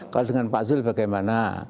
kalau dengan anies basiran bagaimana